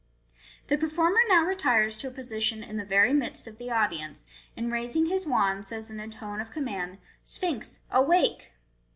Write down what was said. The performer now retires to a position in the very midst of the audience, and raising his wand, says in a tone of command, " Sphinx, awake